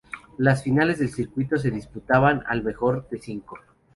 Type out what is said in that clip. Las finales del circuito se disputaba al mejor de cinco.